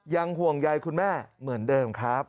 ห่วงใยคุณแม่เหมือนเดิมครับ